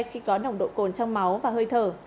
khi có nồng độ cồn trong máu và hơi thở